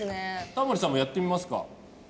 タモリさんもやってみますか？